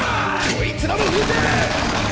こいつらも撃て！！